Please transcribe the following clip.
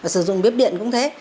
sử dụng bếp điện cũng thế